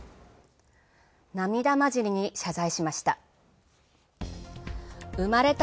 涙交じりに謝罪しました。